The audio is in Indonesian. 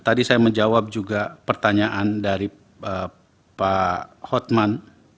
tadi saya menjawab juga pertanyaan dari pak hotman